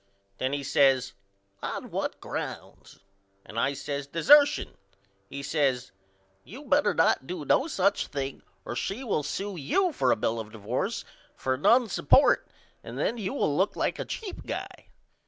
Then he says On what grounds? and I says Dessertion. He says You better not do no such thing or she will sew you for a bill of divorce for none support and then you will look like a cheap guy.